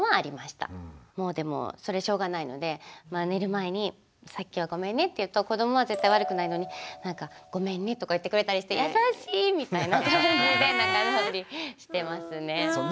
もうでもそれしょうがないので寝る前に「さっきはごめんね」って言うと子どもは絶対悪くないのに「ごめんね」とか言ってくれたりして「優しい」みたいな感じで仲直りしてますね。